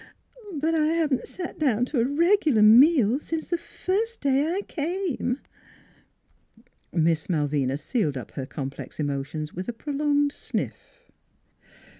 But I haven't sat down to a regular meal since the first day I came." Miss Malvina sealed up her complex emotions with a prolonged sniff.